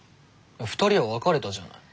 ２人は別れたじゃない。